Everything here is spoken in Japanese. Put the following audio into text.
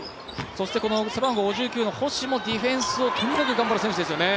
この背番号５９の星もディフェンスをとにかく頑張る選手ですよね。